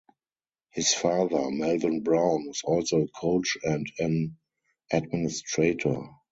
His father, Melvin Brown, was also a coach and an administrator.